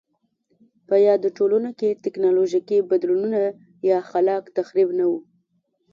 په یادو ټولنو کې ټکنالوژیکي بدلونونه یا خلاق تخریب نه و